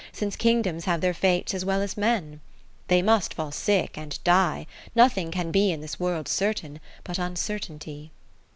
Since Kingdoms have their Fates as well as men ? They must fall sick and die ; nothing can be In this World certain, but uncer tainty.